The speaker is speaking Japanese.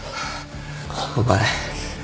お前